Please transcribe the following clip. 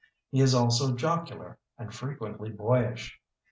He is also jocular and fre quently boyish.